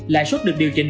lại suất được điều chỉnh